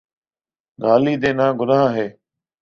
گالی دینا گناہ ہے۔